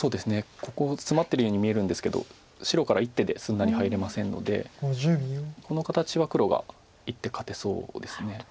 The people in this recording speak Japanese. ここツマってるように見えるんですけど白から１手ですんなり入れませんのでこの形は黒が１手勝てそうです。